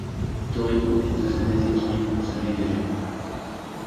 Tori profite de ce déséquilibre pour se dégager.